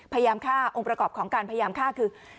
พยายามฆ่าองค์ประกอบของการพยายามฆ่าคือ